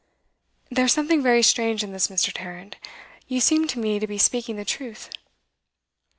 'There's something very strange in this, Mr. Tarrant. You seem to me to be speaking the truth.